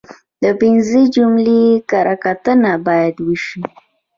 د پنځه جملې کره کتنه باید وشي.